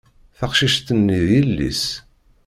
Taqcict-nni d yelli-s